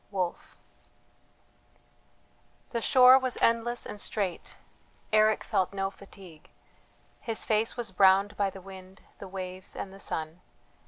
WOLFE. The shore was endless and straight, Eric felt no fatigue; his face was browned by the wind, the waves, and the sun.